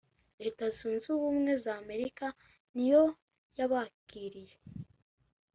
leta zunze ubumwe z amerika niyo yabakiriye